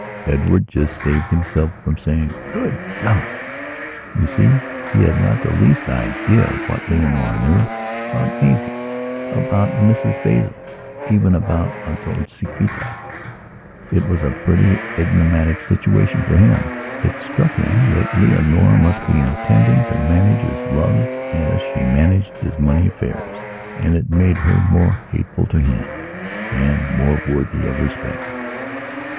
Edward just saved himself from saying: "Good God!" You see, he had not the least idea of what Leonora knewabout Maisie, about Mrs Basil, even about La Dolciquita. It was a pretty enigmatic situation for him. It struck him that Leonora must be intending to manage his loves as she managed his money affairs and it made her more hateful to himand more worthy of respect.